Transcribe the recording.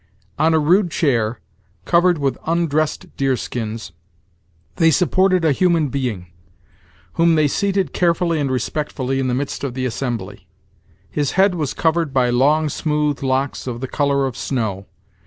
On a rude chair, covered with undressed deer skins, they supported a human being, whom they seated carefully and respectfully in the midst of the assembly. His head was covered by long, smooth locks of the color of snow.